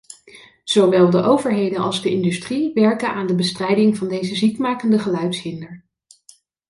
Zowel de overheden als de industrie werken aan de bestrijding van deze ziekmakende geluidshinder.